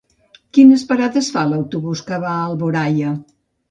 Quines parades fa l'autobús que va a Alboraia?